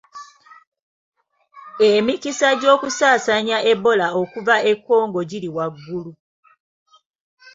Emikisa gy'okusaasaanya Ebola okuva e Congo giri waggulu.